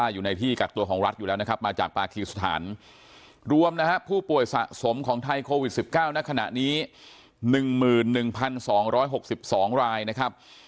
อยู่ในที่กักตัวของรัฐอยู่แล้วนะครับมาจากปากีสถานรวมนะฮะผู้ป่วยสะสมของไทยโควิด๑๙ณขณะนี้๑๑๒๖๒รายนะครับ